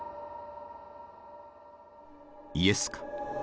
イエスか？